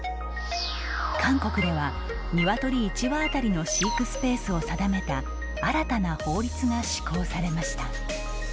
韓国では鶏１羽あたりの飼育スペースを定めた新たな法律が施行されました。